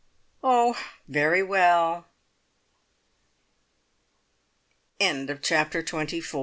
Oh, very well! CHAPTER TWENTY FIVE.